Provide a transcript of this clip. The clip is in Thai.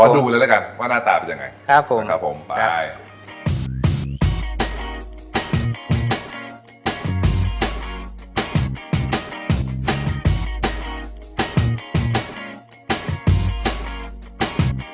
ขอดูแล้วละกันว่าหน้าตาเป็นยังไง